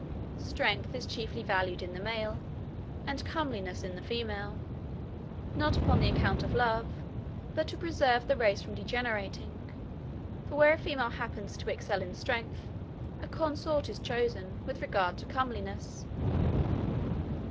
Strength is chiefly valued in the male, and comeliness in the female; not upon the account of love, but to preserve the race from degenerating; for where a female happens to excel in strength, a consort is chosen, with regard to comeliness.